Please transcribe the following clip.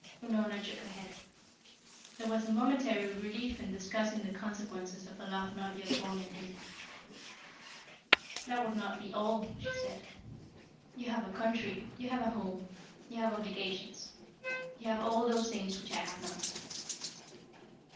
Unorna shook her head. There was a momentary relief in discussing the consequences of a love not yet born in him. "That would not be all," she said. "You have a country, you have a home, you have obligations you have all those things which I have not."